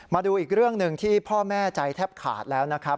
มาดูอีกเรื่องหนึ่งที่พ่อแม่ใจแทบขาดแล้วนะครับ